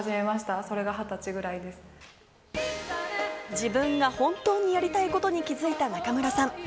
自分が本当にやりたいことに気づいた中村さん。